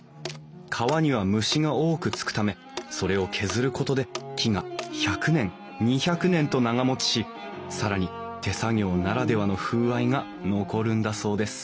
皮には虫が多くつくためそれを削ることで木が１００年２００年と長もちし更に手作業ならではの風合いが残るんだそうです